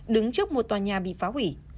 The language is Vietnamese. đứng trước một tòa nhà bị phá hủy